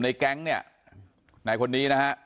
ในแก๊งเนี่ยนายคนนี้นะฮะ